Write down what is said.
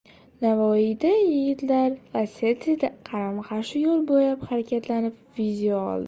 Navoiyda yigitlar «Lacetti»da qarama-qarshi yo‘l bo‘ylab harakatlanib, video oldi